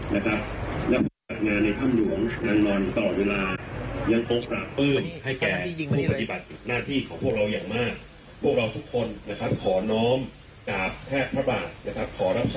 และะมีบัตรงานในทำหนุของกันอยู่ตลอดเวลา